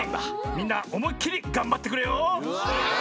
みんなおもいっきりがんばってくれよ。